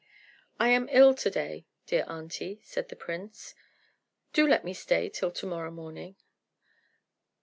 "I am ill to day, dear aunty," said the prince; "do let me stay till to morrow morning."